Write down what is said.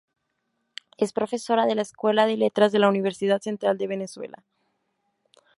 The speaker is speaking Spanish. Es profesora de la Escuela de Letras de la Universidad Central de Venezuela.